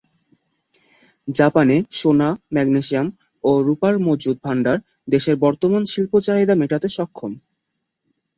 জাপানে সোনা, ম্যাগনেসিয়াম ও রূপার মজুদ ভাণ্ডার দেশের বর্তমান শিল্প চাহিদা মেটাতে সক্ষম।